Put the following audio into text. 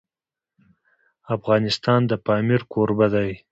افغانستان د پامیر کوربه دی.